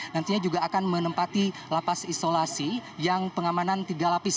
nantinya juga akan menempati lapas isolasi yang pengamanan tiga lapis